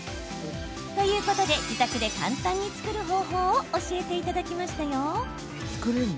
ということで自宅で簡単に作る方法を教えていただきましたよ。